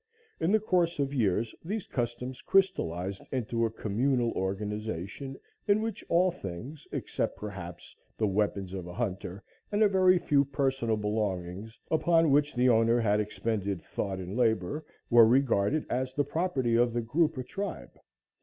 In the course of years these customs crystallized into a communal organization in which all things, except perhaps, the weapons of a hunter and a very few personal belongings upon which the owner had expended thought and labor, were regarded as the property of the group or tribe.